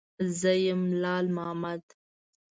_زه يم، لال مامد.